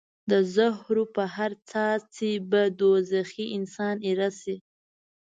د زهرو په هر څاڅکي به دوزخي انسان ایره شي.